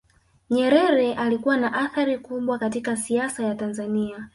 nyerere alikuwa na athari kubwa katika siasa ya tanzania